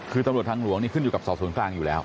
คือตำรวจทางหลวงนี่ขึ้นอยู่กับสอบสวนกลางอยู่แล้ว